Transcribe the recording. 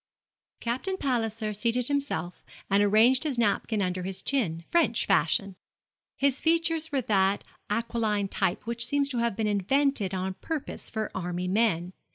Captain Palliser seated himself, and arranged his napkin under his chin, French fashion. His features were of that aquiline type which seems to have been invented on purpose for army men.